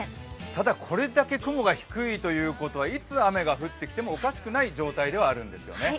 ただ、これだけ雲が低いということはいつ雨が降ってきてもおかしくない状態ではあるんですね。